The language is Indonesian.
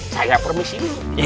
saya permisi dulu